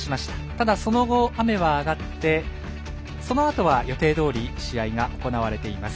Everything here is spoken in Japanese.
ただ、その後、雨は上がってそのあとは予定どおり試合が行われています。